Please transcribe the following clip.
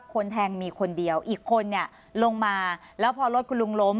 คนแทงมีคนเดียวอีกคนเนี่ยลงมาแล้วพอรถคุณลุงล้ม